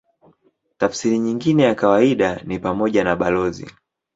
Tafsiri nyingine ya kawaida ni pamoja na balozi.